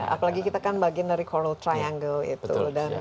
apalagi kita kan bagian dari coral triangle itu